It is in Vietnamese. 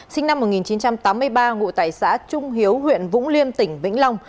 sinh năm một nghìn chín trăm tám mươi ba ngụ tại xã trung hiếu huyện vũng liêm tỉnh vĩnh long